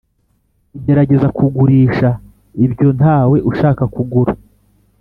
kugerageza kugurisha ibyo ntawe ushaka kugura.